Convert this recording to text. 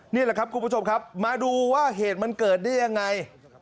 นี่แหละครับคุณผู้ชมครับมาดูว่าเหตุมันเกิดได้ยังไง